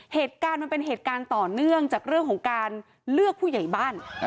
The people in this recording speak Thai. เหตุการณ์มันเป็นเหตุการณ์ต่อเนื่องจากเรื่องของการเลือกผู้ใหญ่บ้าน